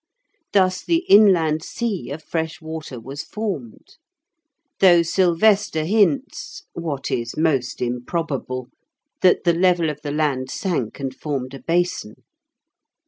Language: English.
Thus the inland sea of fresh water was formed; though Silvester hints (what is most improbable) that the level of the land sank and formed a basin.